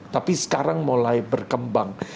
tapi sekarang mulai berkembang